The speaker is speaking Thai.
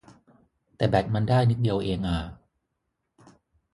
แต่แบตมันได้นิดเดียวเองอ่า